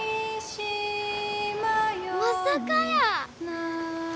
まさかやー。